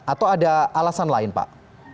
atau ada alasan lain pak